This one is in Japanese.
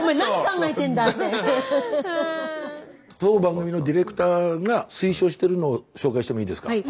当番組のディレクターが推奨してるのを紹介してもいいですか？